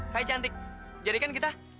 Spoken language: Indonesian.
hai cantik jadikan kita